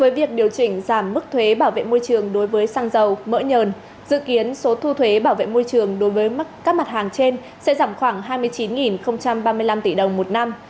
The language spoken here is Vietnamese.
với việc điều chỉnh giảm mức thuế bảo vệ môi trường đối với xăng dầu mỡ nhờn dự kiến số thu thuế bảo vệ môi trường đối với các mặt hàng trên sẽ giảm khoảng hai mươi chín ba mươi năm tỷ đồng một năm